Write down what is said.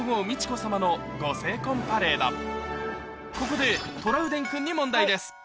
ここでトラウデン君に問題です